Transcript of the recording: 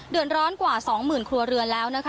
เดือดร้อนกว่า๒๐๐๐๐ครัวเรือน